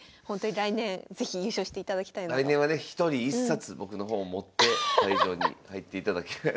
来年はね１人１冊僕の本を持って会場に入っていただきたい。